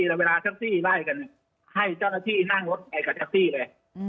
แล้วเวลาแท็กซี่ไล่กันให้เจ้าหน้าที่นั่งรถไปกับแท็กซี่เลย